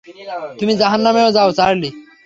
তুমি জাহান্নামে যাও, চার্লি!